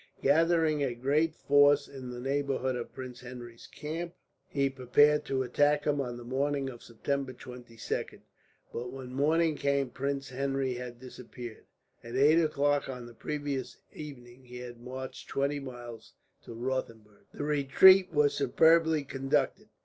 Gathering a great force in the neighbourhood of Prince Henry's camp, he prepared to attack him on the morning of September 22nd; but when morning came Prince Henry had disappeared. At eight o'clock on the previous evening he had marched twenty miles to Rothenburg. The retreat was superbly conducted.